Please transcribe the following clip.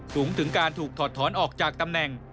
สูงถึงการถูกถอดถอนออกจากตำแหน่ง